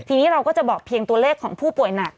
ทีนี้เราก็จะบอกเพียงตัวเลขของผู้ป่วยหนัก